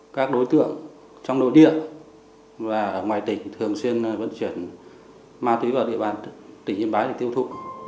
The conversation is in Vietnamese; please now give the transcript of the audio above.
các đối tượng trong nội địa và ở ngoài tỉnh thường xuyên vận chuyển ma túy vào địa bàn tỉnh yên bái để tiêu thụ